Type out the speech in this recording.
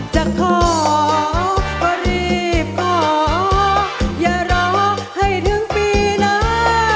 จะขอปรีขออย่ารอให้ถึงปีหน้า